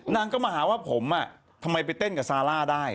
นางก็มาหาว่าผมทำไมไปเต้นกับซาร่าได้